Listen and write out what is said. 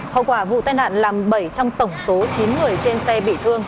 hậu quả vụ tai nạn làm bảy trong tổng số chín người trên xe bị thương